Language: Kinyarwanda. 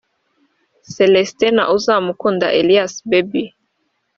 Celestin na Uzamukunda Elias Baby